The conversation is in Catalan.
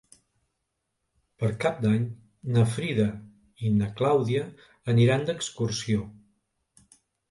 Per Cap d'Any na Frida i na Clàudia aniran d'excursió.